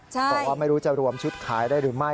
บอกว่าไม่รู้จะรวมชุดขายได้หรือไม่